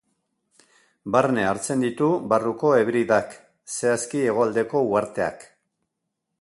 Barne hartzen ditu Barruko Hebridak, zehazki hegoaldeko uharteak.